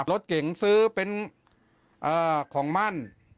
รถเก๋งซื้อเป็นของมั่น